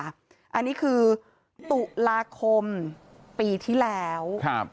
อันนี้คือตุลาคมปีที่แล้ว